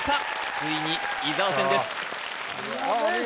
ついに伊沢戦ですいや